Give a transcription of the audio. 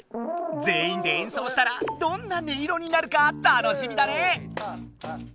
ぜんいんで演奏したらどんな音色になるか楽しみだね。